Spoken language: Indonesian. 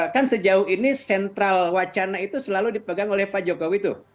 kan sejauh ini sentral wacana itu selalu dipegang oleh pak jokowi tuh